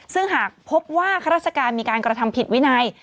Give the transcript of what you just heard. ซึ่งหากพบว่าข้าราชการมีการกระทำผิดวินัย